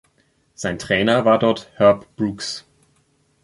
Sein Trainer war dort Herb Brooks.